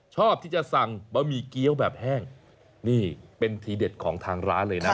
ชอบที่จะสั่งบะหมี่เกี้ยวแบบแห้งนี่เป็นทีเด็ดของทางร้านเลยนะ